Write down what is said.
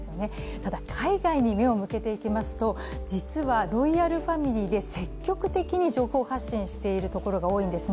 ただ、海外に目を向けていきますと実はロイヤルファミリーで積極的に情報発信しているところが多いんですね。